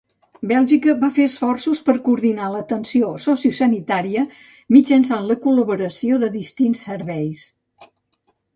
Bèlgica va fer esforços per coordinar l'atenció sociosanitària mitjançant la col·laboració dels distints serveis.